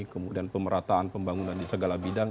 kemudian pemerataan pembangunan di segala bidang